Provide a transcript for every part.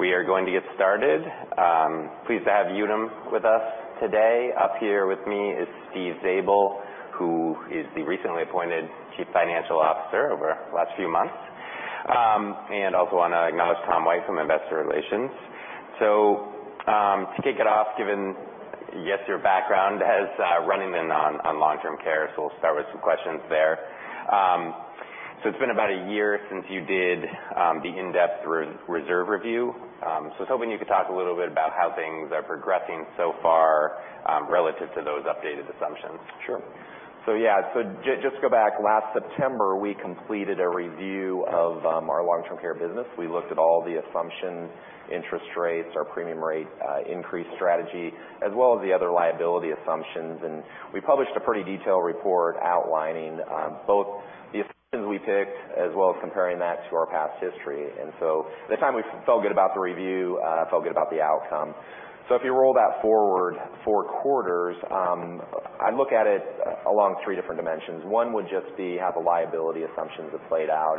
We are going to get started. Pleased to have Unum with us today. Up here with me is Steven Zabel, who is the recently appointed Chief Financial Officer over the last few months. Also want to acknowledge Thomas White from investor relations. To kick it off, given, yes, your background as running on long-term care, we'll start with some questions there. It's been about a year since you did the in-depth reserve review. I was hoping you could talk a little bit about how things are progressing so far relative to those updated assumptions. Sure. Yeah. Just to go back, last September, we completed a review of our long-term care business. We looked at all the assumptions, interest rates, our premium rate increase strategy, as well as the other liability assumptions. We published a pretty detailed report outlining both the assumptions we picked as well as comparing that to our past history. At the time, we felt good about the review, felt good about the outcome. If you roll that forward four quarters, I look at it along three different dimensions. One would just be how the liability assumptions have played out.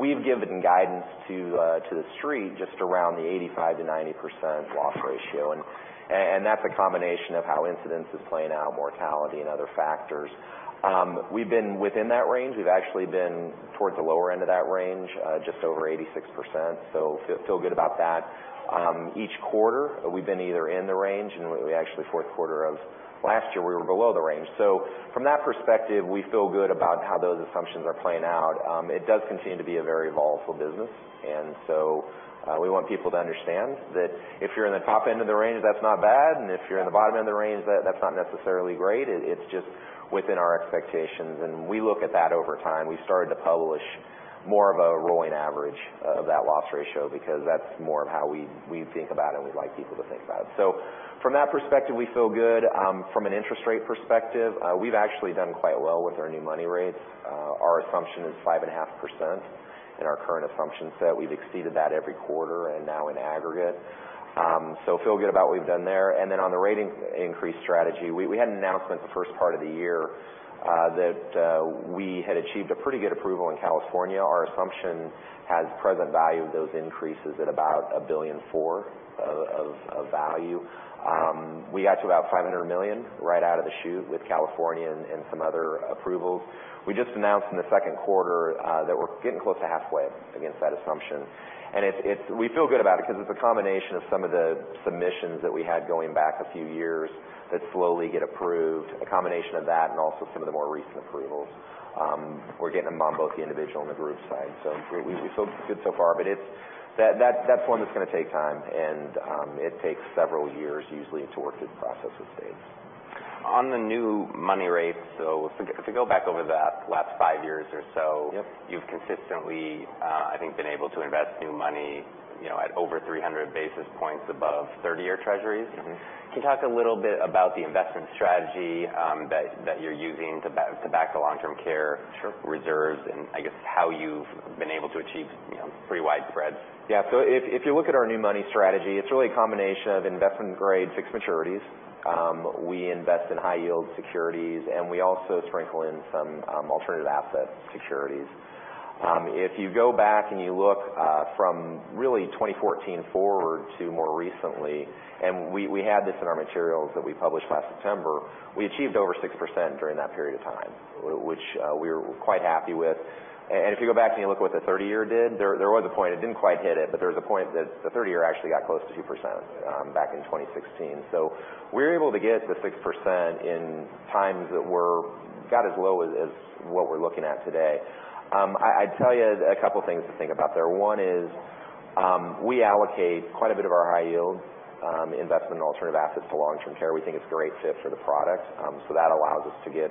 We've given guidance to the Street just around the 85%-90% loss ratio. That's a combination of how incidence is playing out, mortality, and other factors. We've been within that range. We've actually been towards the lower end of that range, just over 86%. Feel good about that. Each quarter, we've been either in the range, and we actually, fourth quarter of last year, we were below the range. From that perspective, we feel good about how those assumptions are playing out. It does continue to be a very volatile business, we want people to understand that if you're in the top end of the range, that's not bad, and if you're in the bottom end of the range, that's not necessarily great. It's just within our expectations. We look at that over time. We started to publish more of a rolling average of that loss ratio because that's more of how we think about it and we'd like people to think about it. From that perspective, we feel good. From an interest rate perspective, we've actually done quite well with our new money rates. Our assumption is 5.5% in our current assumption set. We've exceeded that every quarter and now in aggregate. Feel good about what we've done there. On the rating increase strategy, we had an announcement the first part of the year that we had achieved a pretty good approval in California. Our assumption has present value of those increases at about a billion four of value. We got to about $500 million right out of the chute with California and some other approvals. We just announced in the second quarter that we're getting close to halfway against that assumption. We feel good about it because it's a combination of some of the submissions that we had going back a few years that slowly get approved, a combination of that and also some of the more recent approvals. We're getting them on both the individual and the group side. We feel good so far, but that's one that's going to take time, and it takes several years usually to work through the processes phase. On the new money rates, if we go back over that last five years or so. Yep You've consistently, I think, been able to invest new money at over 300 basis points above 30-year Treasuries. Can you talk a little bit about the investment strategy that you're using to back the long-term care Sure reserves and I guess how you've been able to achieve pretty wide spreads? Yeah. If you look at our new money strategy, it's really a combination of investment-grade fixed maturities. We invest in high-yield securities, and we also sprinkle in some alternative asset securities. If you go back and you look from really 2014 forward to more recently, and we had this in our materials that we published last September, we achieved over 6% during that period of time, which we were quite happy with. If you go back and you look at what the 30 year did, there was a point, it didn't quite hit it, but there was a point that the 30 year actually got close to 2% back in 2016. We were able to get to 6% in times that got as low as what we're looking at today. I'd tell you a couple things to think about there. One is we allocate quite a bit of our high-yield investment in alternative assets to long-term care. We think it's a great fit for the product. That allows us to get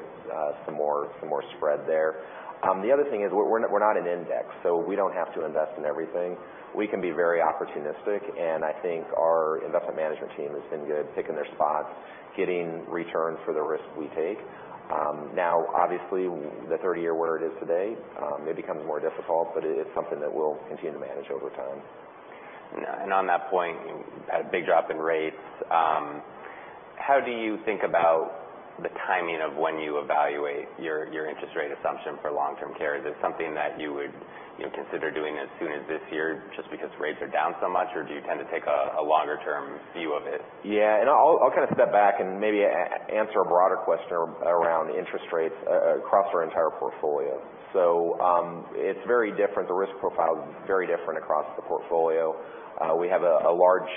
some more spread there. The other thing is we're not an index, so we don't have to invest in everything. We can be very opportunistic, and I think our investment management team has been good, picking their spots, getting return for the risk we take. Obviously, the 30 year where it is today it becomes more difficult, but it is something that we'll continue to manage over time. On that point, had a big drop in rates. How do you think about the timing of when you evaluate your interest rate assumption for long-term care? Is it something that you would consider doing as soon as this year just because rates are down so much, or do you tend to take a longer-term view of it? Yeah. I'll kind of step back and maybe answer a broader question around interest rates across our entire portfolio. It's very different. The risk profile is very different across the portfolio. We have a large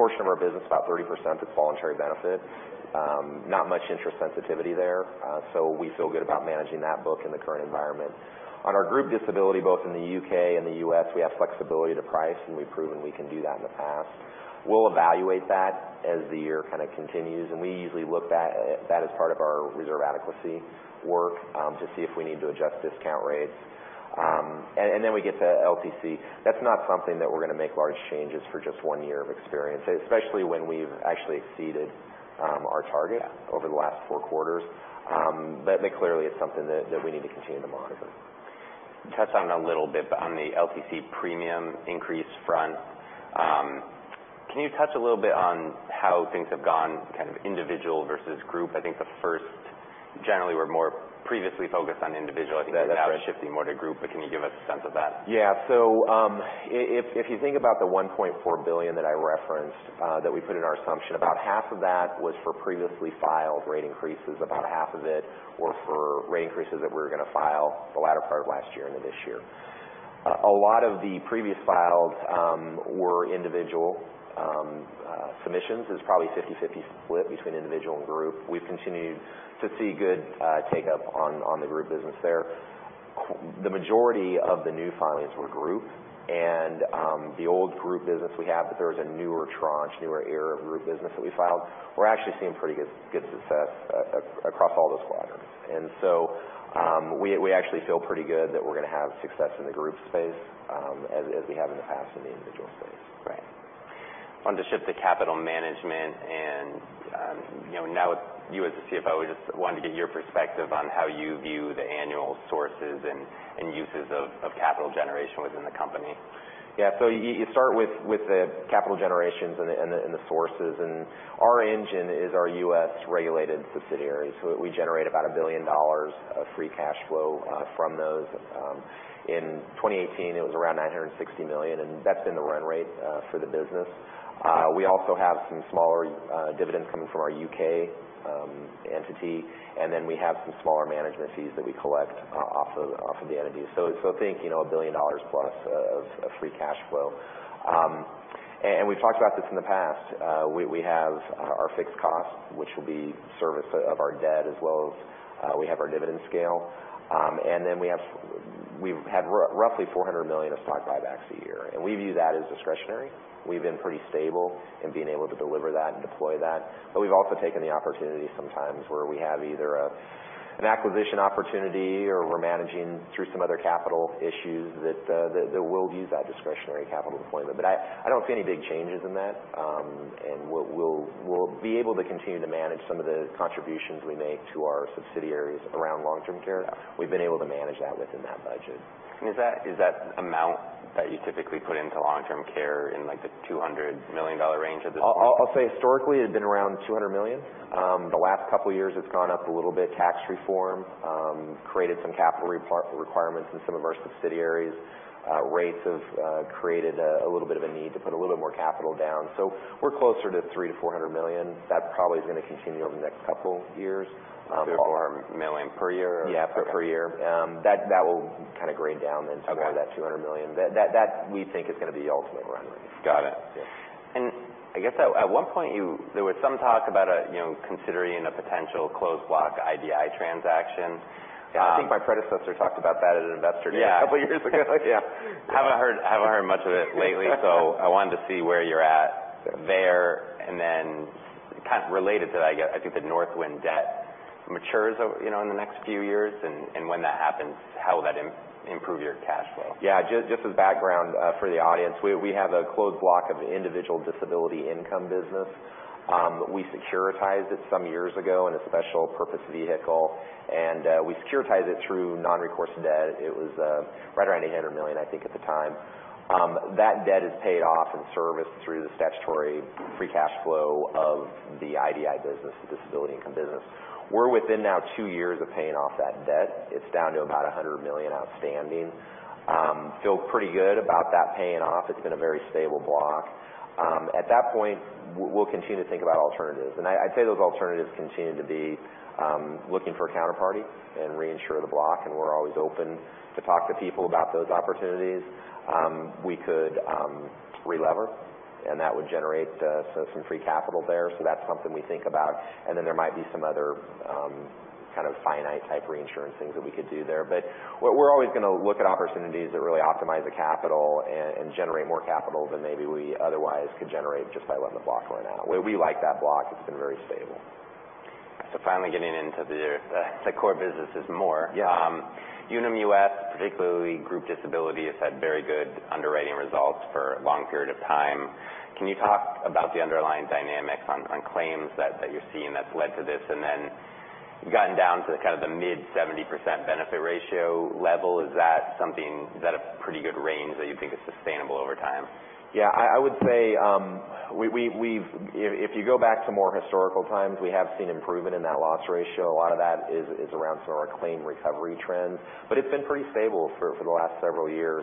portion of our business, about 30%, that's voluntary benefit. Not much interest sensitivity there. We feel good about managing that book in the current environment. On our group disability, both in the U.K. and the U.S., we have flexibility to price, and we've proven we can do that in the past. We'll evaluate that as the year kind of continues, and we usually look at that as part of our reserve adequacy work to see if we need to adjust discount rates. Then we get to LTC. That's not something that we're going to make large changes for just one year of experience, especially when we've actually exceeded our target. Yeah Over the last four quarters. Clearly, it's something that we need to continue to monitor. Can you touch on it a little bit, on the LTC premium increase front, can you touch a little bit on how things have gone kind of individual versus group? Generally, we're more previously focused on individual. That's right. I think now we're shifting more to group. Can you give us a sense of that? Yeah. If you think about the $1.4 billion that I referenced, that we put in our assumption, about half of that was for previously filed rate increases. About half of it were for rate increases that we were going to file the latter part of last year into this year. A lot of the previous files were individual submissions. It was probably 50/50 split between individual and group. We've continued to see good take-up on the group business there. The majority of the new filings were group and the old group business we have. There was a newer tranche, newer era of group business that we filed. We're actually seeing pretty good success across all those quadrants. We actually feel pretty good that we're going to have success in the group space as we have in the past in the individual space. Right. Wanted to shift to capital management and, now with you as the CFO, just wanted to get your perspective on how you view the annual sources and uses of capital generation within the company. Yeah. You start with the capital generations and the sources. Our engine is our U.S.-regulated subsidiary. We generate about $1 billion of free cash flow from those. In 2018, it was around $960 million, and that's been the run rate for the business. We also have some smaller dividends coming from our U.K. entity, and then we have some smaller management fees that we collect off of the entities. Think $1 billion plus of free cash flow. We've talked about this in the past. We have our fixed costs, which will be service of our debt as well as we have our dividend scale. We've had roughly $400 million of stock buybacks a year, and we view that as discretionary. We've been pretty stable in being able to deliver that and deploy that. We've also taken the opportunity sometimes where we have either an acquisition opportunity or we're managing through some other capital issues that we'll use that discretionary capital deployment. I don't see any big changes in that. We'll be able to continue to manage some of the contributions we make to our subsidiaries around long-term care. We've been able to manage that within that budget. Is that amount that you typically put into long-term care in the $200 million range of- I'll say historically, it's been around $200 million. The last couple of years, it's gone up a little bit. Tax reform created some capital requirements in some of our subsidiaries. Rates have created a little bit of a need to put a little bit more capital down. We're closer to $300 million-$400 million. That probably is going to continue over the next couple years. $300 million-$400 million per year? Yeah, per year. That will kind of grade down. Okay to more of that $200 million. That, we think, is going to be the ultimate run rate. Got it. Yeah. I guess at one point, there was some talk about considering a potential closed block IDI transaction. Yeah. I think my predecessor talked about that at an investor day. Yeah A couple of years ago. Yeah. Haven't heard much of it lately. I wanted to see where you're at there. Kind of related to that, I guess, I think the Northwind debt matures in the next few years. When that happens, how will that improve your cash flow? Yeah, just as background for the audience, we have a closed block of individual disability income business. We securitized it some years ago in a special purpose vehicle, and we securitized it through non-recourse debt. It was right around $800 million, I think, at the time. That debt is paid off and serviced through the statutory free cash flow of the IDI business, the disability income business. We're within now two years of paying off that debt. It's down to about $100 million outstanding. Feel pretty good about that paying off. It's been a very stable block. At that point, we'll continue to think about alternatives. I'd say those alternatives continue to be looking for a counterparty and reinsure the block, and we're always open to talk to people about those opportunities. We could relever, and that would generate some free capital there. That's something we think about. There might be some other kind of finite risk reinsurance things that we could do there. We're always going to look at opportunities that really optimize the capital and generate more capital than maybe we otherwise could generate just by letting the block run out. We like that block. It's been very stable. Finally getting into the core businesses more. Yeah. Unum US, particularly group disability, has had very good underwriting results for a long period of time. Can you talk about the underlying dynamics on claims that you're seeing that's led to this? You've gotten down to kind of the mid-70% benefit ratio level. Is that a pretty good range that you think is sustainable over time? I would say if you go back to more historical times, we have seen improvement in that loss ratio. A lot of that is around some of our claim recovery trends. It's been pretty stable for the last several years,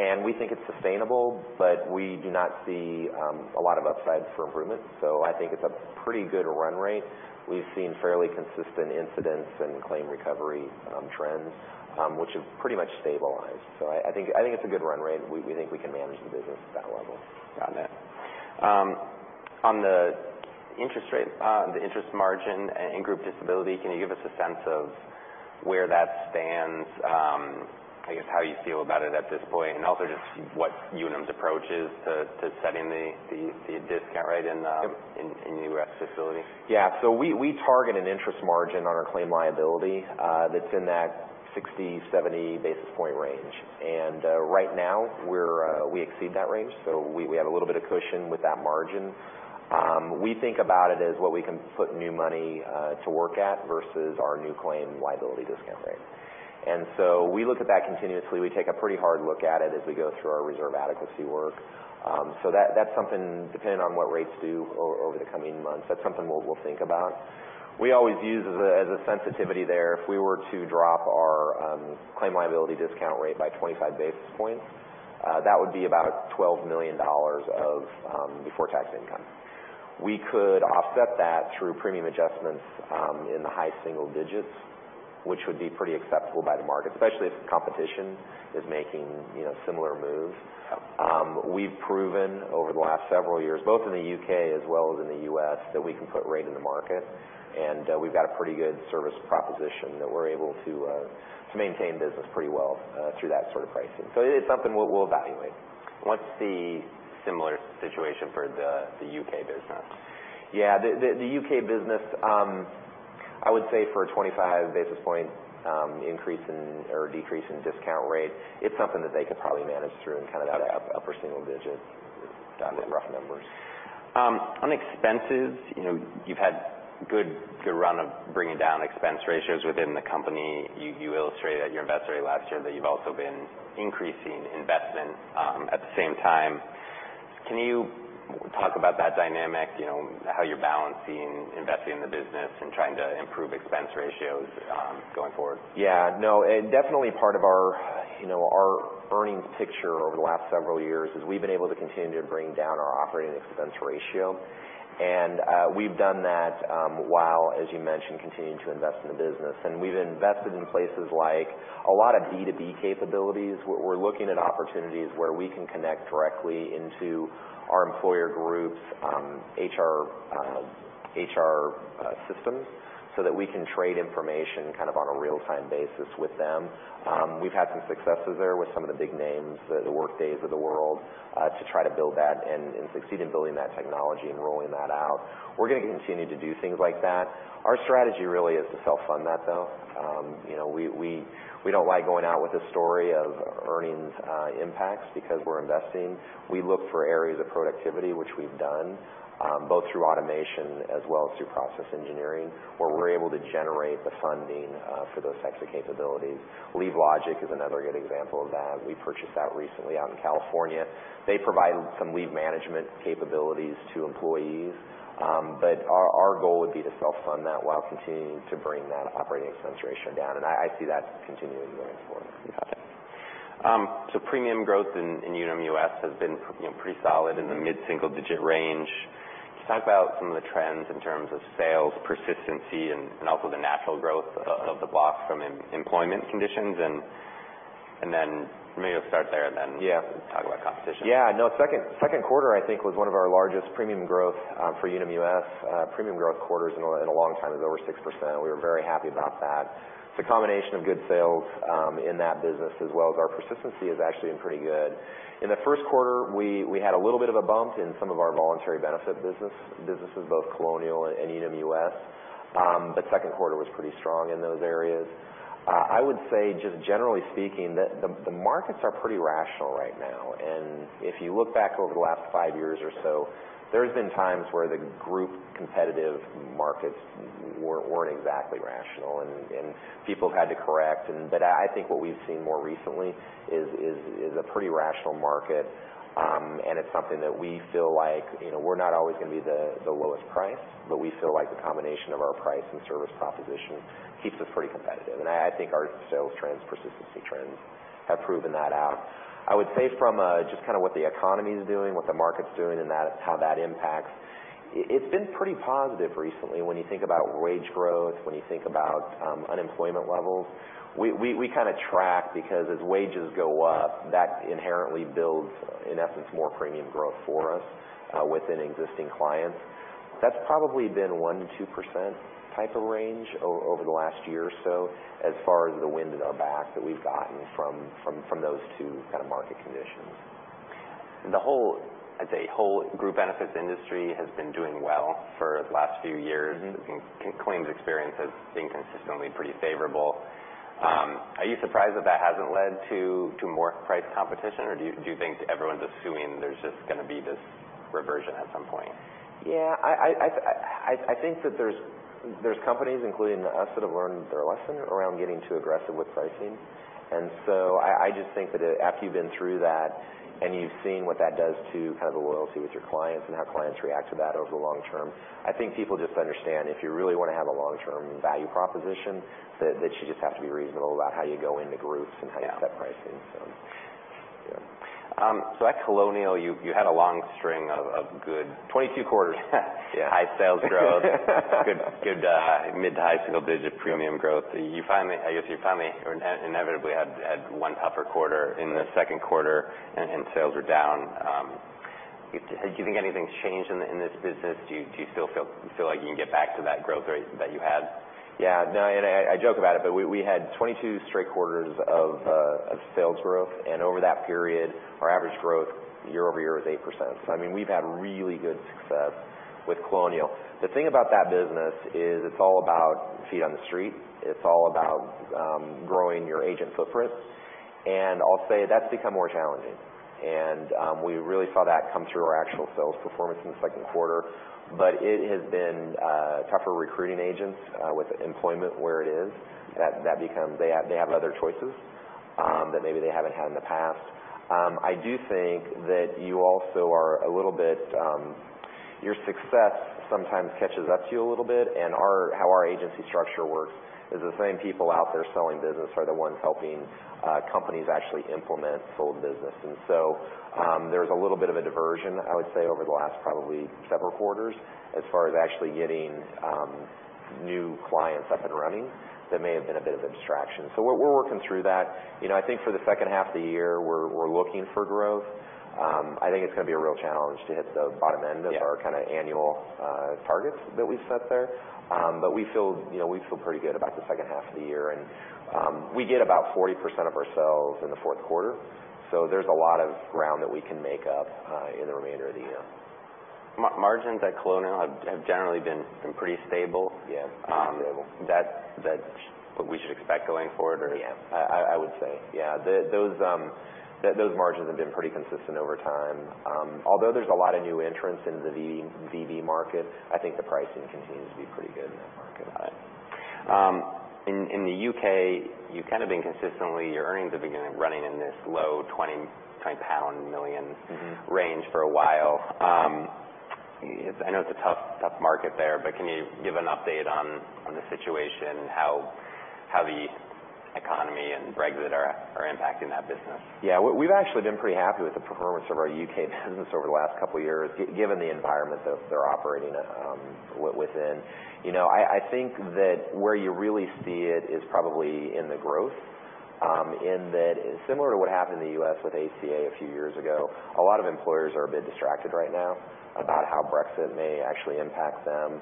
and we think it's sustainable, but we do not see a lot of upsides for improvement. I think it's a pretty good run rate. We've seen fairly consistent incidents and claim recovery trends, which have pretty much stabilized. I think it's a good run rate. We think we can manage the business at that level. Got it. On the interest margin in group disability, can you give us a sense of where that stands, I guess how you feel about it at this point, and also just what Unum's approach is to setting the discount rate in- Yep U.S. disability? Yeah. We target an interest margin on our claim liability that's in that 60-70 basis point range. Right now, we exceed that range, so we have a little bit of cushion with that margin. We think about it as what we can put new money to work at versus our new claim liability discount rate. We look at that continuously. We take a pretty hard look at it as we go through our reserve adequacy work. That's something, depending on what rates do over the coming months, that's something we'll think about. We always use as a sensitivity there, if we were to drop our claim liability discount rate by 25 basis points. That would be about $12 million of before-tax income. We could offset that through premium adjustments in the high single digits, which would be pretty acceptable by the market, especially if competition is making similar moves. We've proven over the last several years, both in the U.K. as well as in the U.S., that we can put rate in the market, and we've got a pretty good service proposition that we're able to maintain business pretty well through that sort of pricing. It is something we'll evaluate. What's the similar situation for the U.K. business? Yeah. The U.K. business, I would say for a 25 basis point increase or decrease in discount rate, it's something that they could probably manage through in kind of that upper single digits, kind of in rough numbers. On expenses, you've had a good run of bringing down expense ratios within the company. You illustrated at your investor day last year that you've also been increasing investment at the same time. Can you talk about that dynamic, how you're balancing investing in the business and trying to improve expense ratios going forward? Yeah. No, definitely part of our earnings picture over the last several years is we've been able to continue to bring down our operating expense ratio. We've done that while, as you mentioned, continuing to invest in the business. We've invested in places like a lot of B2B capabilities. We're looking at opportunities where we can connect directly into our employer groups' HR systems so that we can trade information kind of on a real-time basis with them. We've had some successes there with some of the big names, the Workdays of the world, to try to build that and succeed in building that technology and rolling that out. We're going to continue to do things like that. Our strategy really is to self-fund that, though. We don't like going out with a story of earnings impacts because we're investing. We look for areas of productivity, which we've done, both through automation as well as through process engineering, where we're able to generate the funding for those types of capabilities. LeaveLogic is another good example of that. We purchased that recently out in California. They provide some leave management capabilities to employees. Our goal would be to self-fund that while continuing to bring that operating expense ratio down. I see that continuing going forward. Got it. Premium growth in Unum US has been pretty solid in the mid-single-digit range. Can you talk about some of the trends in terms of sales persistency and also the natural growth of the block from employment conditions. Yeah talk about competition. Yeah, no. Second quarter, I think, was one of our largest premium growth for Unum US. Premium growth quarters in a long time is over 6%, and we were very happy about that. It's a combination of good sales in that business as well as our persistency has actually been pretty good. In the first quarter, we had a little bit of a bump in some of our voluntary benefit businesses, both Colonial and Unum US. Second quarter was pretty strong in those areas. I would say, just generally speaking, that the markets are pretty rational right now. If you look back over the last five years or so, there's been times where the group competitive markets weren't exactly rational, and people have had to correct. I think what we've seen more recently is a pretty rational market, it's something that we feel like, we're not always going to be the lowest price, but we feel like the combination of our price and service proposition keeps us pretty competitive. I think our sales trends, persistency trends, have proven that out. I would say from just kind of what the economy is doing, what the market's doing, and how that impacts, it's been pretty positive recently when you think about wage growth, when you think about unemployment levels. We kind of track because as wages go up, that inherently builds, in essence, more premium growth for us within existing clients. That's probably been a 1%-2% type of range over the last year or so as far as the wind in our back that we've gotten from those two kind of market conditions. I'd say whole group benefits industry has been doing well for the last few years. Claims experience has been consistently pretty favorable. Yeah. Are you surprised that that hasn't led to more price competition, or do you think everyone's assuming there's just going to be this reversion at some point? Yeah. I think that there's companies, including us, that have learned their lesson around getting too aggressive with pricing. I just think that after you've been through that and you've seen what that does to kind of the loyalty with your clients and how clients react to that over the long term, I think people just understand if you really want to have a long-term value proposition, that you just have to be reasonable about how you go into groups and how you set pricing. Yeah. At Colonial, you had a long string of good 22 quarters- Yeah high sales growth. Good mid to high single-digit premium growth. I guess you finally or inevitably had one tougher quarter in the second quarter, and sales were down. Do you think anything's changed in this business? Do you still feel like you can get back to that growth rate that you had? Yeah. I joke about it, but we had 22 straight quarters of sales growth, and over that period, our average growth year-over-year was 8%. I mean, we've had really good success with Colonial. The thing about that business is it's all about feet on the street. It's all about growing your agent footprint. I'll say that's become more challenging. We really saw that come through our actual sales performance in the second quarter. It has been tougher recruiting agents with employment where it is. They have other choices that maybe they haven't had in the past. I do think that you also are a little bit. Your success sometimes catches up to you a little bit. How our agency structure works is the same people out there selling business are the ones helping companies actually implement sold business. There's a little bit of a diversion, I would say, over the last probably several quarters, as far as actually getting new clients up and running. That may have been a bit of a distraction. We're working through that. I think for the second half of the year, we're looking for growth. I think it's going to be a real challenge to hit the bottom end Yeah of our annual targets that we've set there. We feel pretty good about the second half of the year. We get about 40% of our sales in the fourth quarter, so there's a lot of ground that we can make up in the remainder of the year. Margins at Colonial have generally been pretty stable. Yes. Pretty stable. Is that what we should expect going forward? Yeah. I would say. Those margins have been pretty consistent over time. Although there's a lot of new entrants into the VB market, I think the pricing continues to be pretty good in that market. Got it. In the U.K., you've kind of been consistently, your earnings have been running in this low 20 million pound range for a while. I know it's a tough market there, but can you give an update on the situation, how the economy and Brexit are impacting that business? Yeah. We've actually been pretty happy with the performance of our U.K. business over the last couple of years, given the environment they're operating within. I think that where you really see it is probably in the growth, in that similar to what happened in the U.S. with ACA a few years ago, a lot of employers are a bit distracted right now about how Brexit may actually impact them.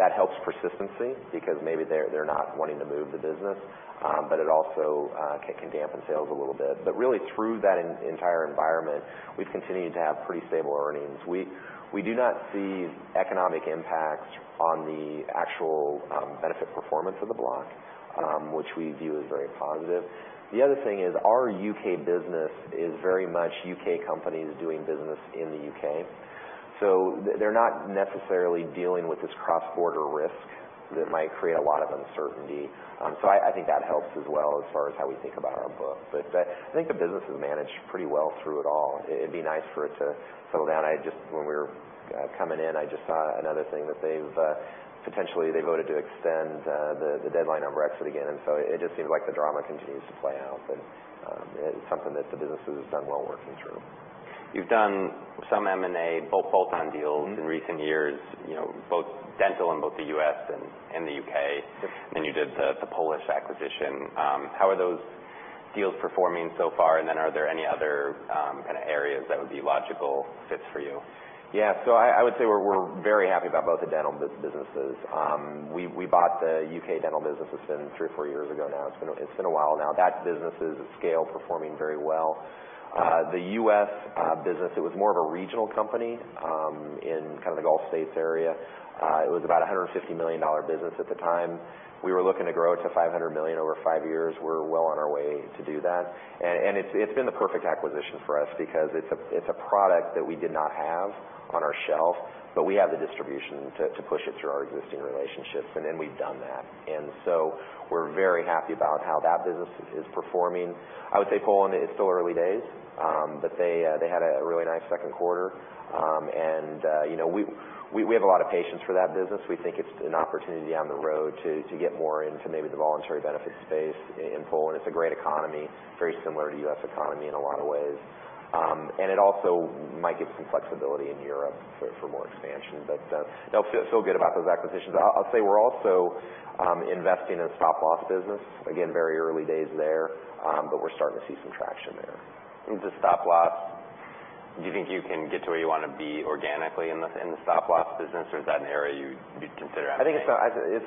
That helps persistency because maybe they're not wanting to move the business. It also can dampen sales a little bit. Really through that entire environment, we've continued to have pretty stable earnings. We do not see economic impact on the actual benefit performance of the block, which we view as very positive. The other thing is our U.K. business is very much U.K. companies doing business in the U.K. They're not necessarily dealing with this cross-border risk that might create a lot of uncertainty. I think that helps as well as far as how we think about our book. I think the business is managed pretty well through it all. It'd be nice for it to settle down. When we were coming in, I just saw another thing that they've potentially voted to extend the deadline on Brexit again. It just seems like the drama continues to play out, but it's something that the business has done well working through. You've done some M&A bolt-on deals in recent years, both dental in both the U.S. and the U.K. Yep. You did the Polish acquisition. How are those deals performing so far? Are there any other areas that would be logical fits for you? Yeah. I would say we're very happy about both the dental businesses. We bought the U.K. dental business, it's been three or four years ago now. It's been a while now. That business is scale performing very well. The U.S. business, it was more of a regional company, in the Gulf States area. It was about a $150 million business at the time. We were looking to grow to $500 million over five years. We're well on our way to do that. It's been the perfect acquisition for us because it's a product that we did not have on our shelf, but we have the distribution to push it through our existing relationships. We've done that. We're very happy about how that business is performing. I would say Poland, it's still early days. They had a really nice second quarter. We have a lot of patience for that business. We think it's an opportunity on the road to get more into maybe the voluntary benefits space in Poland. It's a great economy, very similar to U.S. economy in a lot of ways. It also might give some flexibility in Europe for more expansion. Feel good about those acquisitions. I'll say we're also investing in stop loss business. Again, very early days there, but we're starting to see some traction there. The stop loss, do you think you can get to where you want to be organically in the stop loss business, or is that an area you'd be considering? I think it's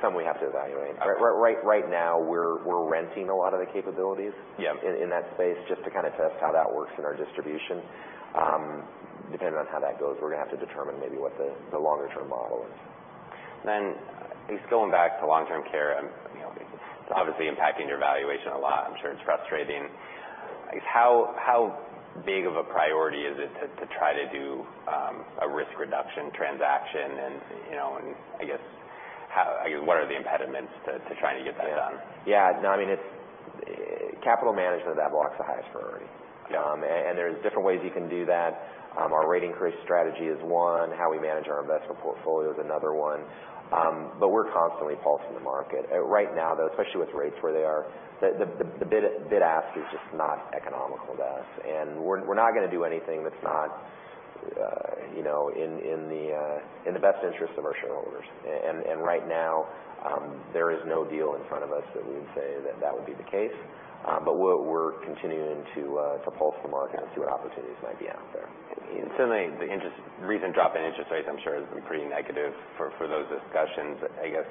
something we have to evaluate. Okay. Right now, we're renting a lot of the capabilities. Yeah In that space just to test how that works in our distribution. Depending on how that goes, we're going to have to determine maybe what the longer-term model is. I guess going back to long-term care, it's obviously impacting your valuation a lot. I'm sure it's frustrating. I guess, how big of a priority is it to try to do a risk reduction transaction and, I guess, what are the impediments to trying to get that done? Yeah. No, capital management of that block's the highest priority. Got it. There's different ways you can do that. Our rate increase strategy is one, how we manage our investment portfolio is another one. We're constantly pulsing the market. Right now, though, especially with rates where they are, the bid-ask is just not economical to us, and we're not going to do anything that's not in the best interest of our shareholders. Right now, there is no deal in front of us that we would say that would be the case. We're continuing to pulse the market and see what opportunities might be out there. Certainly, the recent drop in interest rates, I'm sure, has been pretty negative for those discussions. I guess,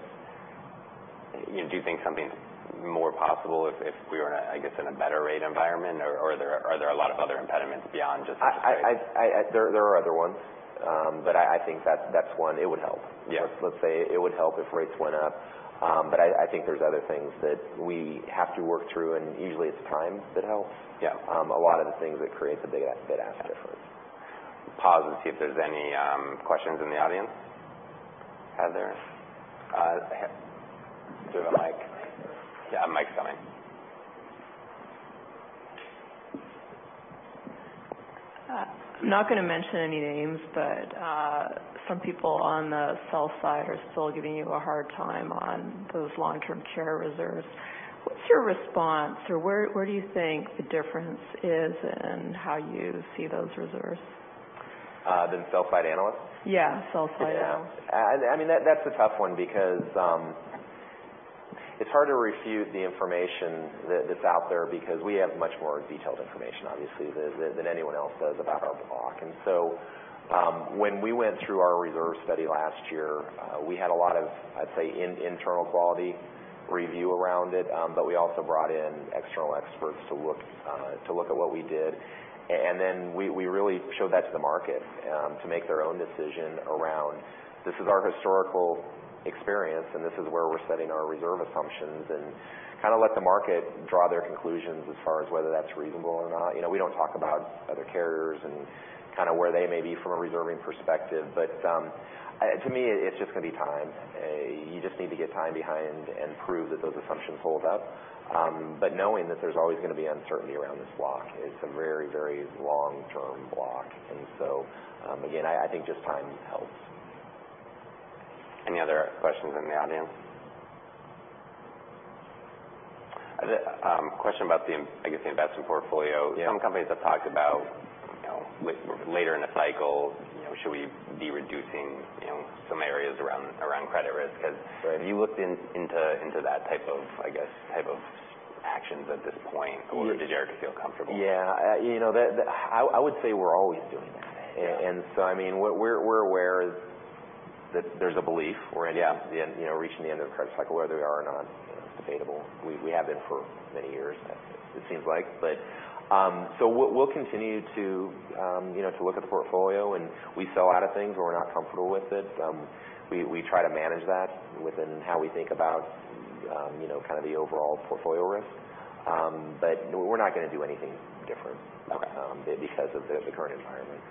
do you think something's more possible if we were in a better rate environment, or are there a lot of other impediments beyond just interest rates? There are other ones. I think that's one. It would help. Yeah. Let's say it would help if rates went up. I think there's other things that we have to work through, usually it's time that helps. Yeah. A lot of the things that create the bid-ask difference. Pause, see if there's any questions in the audience. Heather? Is there a mic? Yeah, a mic's coming. I'm not going to mention any names, some people on the sell side are still giving you a hard time on those long-term care reserves. What's your response, where do you think the difference is in how you see those reserves? The sell side analysts? Yeah, sell side analysts. Yeah. That's a tough one because it's hard to refute the information that's out there because we have much more detailed information, obviously, than anyone else does about our block. When we went through our reserve study last year, we had a lot of, I'd say, internal quality review around it. We also brought in external experts to look at what we did. We really showed that to the market to make their own decision around this is our historical experience, and this is where we're setting our reserve assumptions and let the market draw their conclusions as far as whether that's reasonable or not. We don't talk about other carriers and where they may be from a reserving perspective. To me, it's just going to be time. You just need to get time behind and prove that those assumptions hold up. Knowing that there's always going to be uncertainty around this block. It's a very long-term block. Again, I think just time helps. Any other questions in the audience? I had a question about the, I guess, the investment portfolio. Yeah. Some companies have talked about later in the cycle, should we be reducing some areas around credit risk? Right Have you looked into that type of actions at this point? Or do you already feel comfortable? Yeah. I would say we're always doing that. Yeah. We're aware that there's a belief. Yeah Reaching the end of the credit cycle, whether there are or not, it's debatable. We have been for many years it seems like. We'll continue to look at the portfolio and we sell out of things when we're not comfortable with it. We try to manage that within how we think about the overall portfolio risk. We're not going to do anything. Okay Because of the current environment.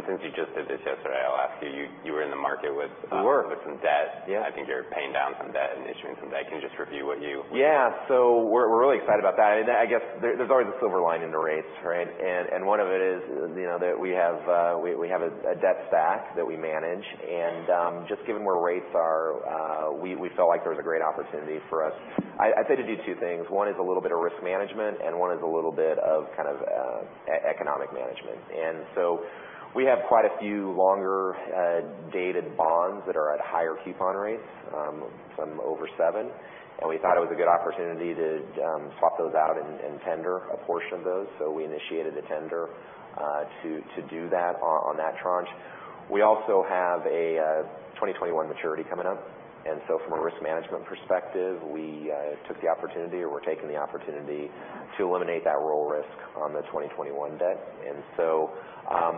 Since you just did this yesterday, I'll ask you. You were in the market. We were with some debt. Yeah. I think you're paying down some debt and issuing some debt. Can you just review? Yeah. We're really excited about that. There's always a silver lining to rates, right? One of it is that we have a debt stack that we manage. Just given where rates are, we felt like there was a great opportunity for us. I'd say to do two things. One is a little bit of risk management, and one is a little bit of economic management. We have quite a few longer-dated bonds that are at higher coupon rates, some over seven. We thought it was a good opportunity to swap those out and tender a portion of those. We initiated a tender to do that on that tranche. We also have a 2021 maturity coming up. From a risk management perspective, we took the opportunity or we're taking the opportunity to eliminate that rollover risk on the 2021 debt.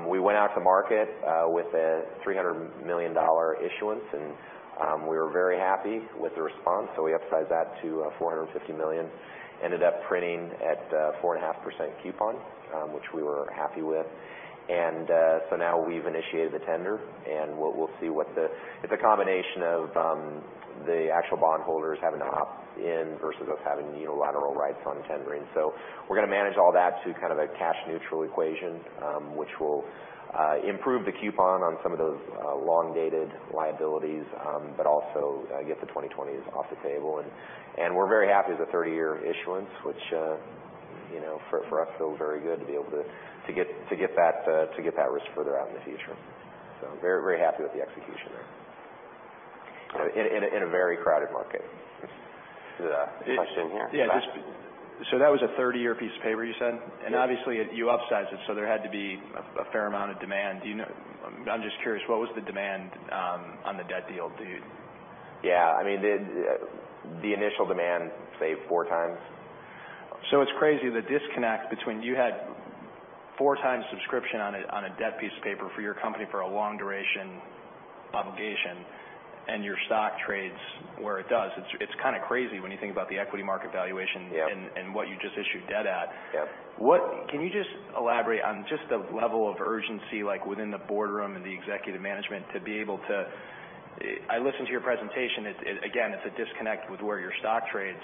We went out to market with a $300 million issuance, and we were very happy with the response. We upsized that to $450 million. Ended up printing at 4.5% coupon, which we were happy with. Now we've initiated the tender, and we'll see what the. It's a combination of the actual bond holders having to opt in versus us having unilateral rights on tendering. We're going to manage all that to a cash neutral equation which will improve the coupon on some of those long-dated liabilities. Also get the 2020s off the table. We're very happy with the 30-year issuance, which for us feels very good to be able to get that risk further out in the future. Very happy with the execution there. In a very crowded market. There's a question here in the back. Yeah. Just that was a 30-year piece of paper you said? Yeah. Obviously you upsized it, there had to be a fair amount of demand. I'm just curious, what was the demand on the debt deal, do you. Yeah. The initial demand, say four times. It's crazy the disconnect between you had four times subscription on a debt piece of paper for your company for a long duration obligation, and your stock trades where it does. It's kind of crazy when you think about the equity market valuation. Yeah What you just issued debt at. Yeah. Can you just elaborate on just the level of urgency, like within the boardroom and the executive management? I listened to your presentation. It's a disconnect with where your stock trades.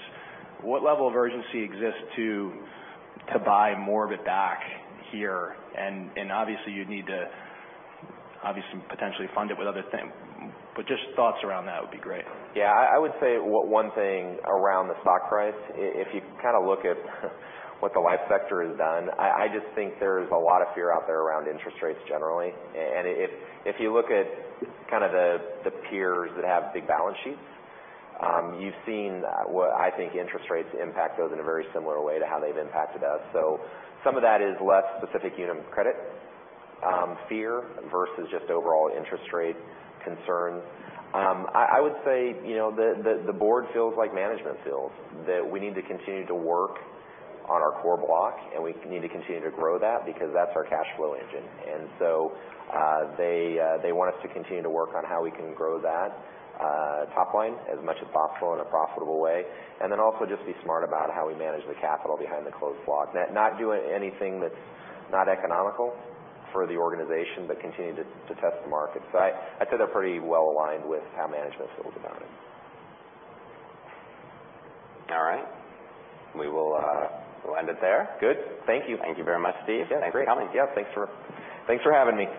What level of urgency exists to buy more of it back here? Obviously you'd need to potentially fund it with other things, but just thoughts around that would be great. Yeah. I would say one thing around the stock price, if you look at what the life sector has done, I just think there's a lot of fear out there around interest rates generally. If you look at the peers that have big balance sheets, you've seen what I think interest rates impact those in a very similar way to how they've impacted us. Some of that is less specific Unum credit fear versus just overall interest rate concerns. I would say the board feels like management feels that we need to continue to work on our core block, and we need to continue to grow that because that's our cash flow engine. They want us to continue to work on how we can grow that top line as much as possible in a profitable way. Also just be smart about how we manage the capital behind the closed block. Not doing anything that's not economical for the organization, but continue to test the markets. I'd say they're pretty well aligned with how management feels about it. All right. We will end it there. Good. Thank you. Thank you very much, Steve. Yeah, thanks. Thanks for coming. Yeah, thanks for having me.